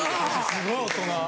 すごい大人。